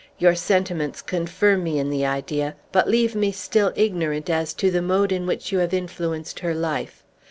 Your sentiments confirm me in the idea, but leave me still ignorant as to the mode in which you have influenced her life.